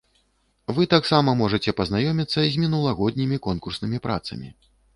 Вы таксама можаце пазнаёміцца з мінулагоднімі конкурснымі працамі.